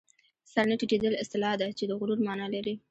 سر نه ټیټېدل اصطلاح ده چې د غرور مانا لري